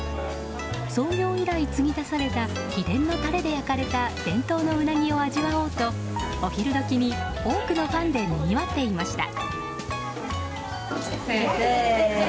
創業以来、継ぎ足された秘伝のたれで焼かれた伝統のウナギを味わおうとお昼時に多くのファンでにぎわっていました。